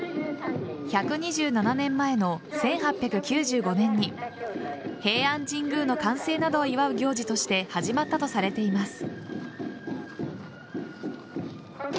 １２７年前の１８９５年に平安神宮の完成などを祝う行事として始まったとされています。